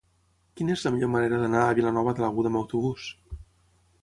Quina és la millor manera d'anar a Vilanova de l'Aguda amb autobús?